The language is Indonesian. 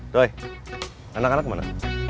doi anak anak kemana